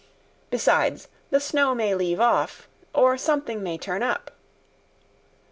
Besides, the snow may leave off, or something may turn up."